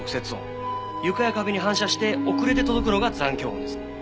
床や壁に反射して遅れて届くのが残響音です。